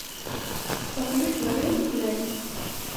Varför lyssnar du inte på mig?